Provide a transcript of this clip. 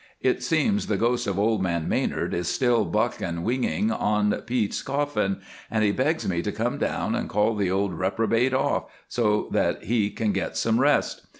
It seems the ghost of old man Manard is still buck and winging on Pete's coffin, and he begs me to come down and call the old reprobate off so that he can get some rest.